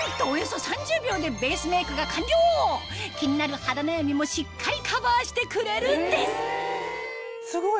なんと気になる肌悩みもしっかりカバーしてくれるんですすごい！